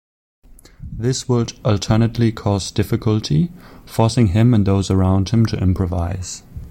This would alternately cause difficulty forcing him and those around him to improvise.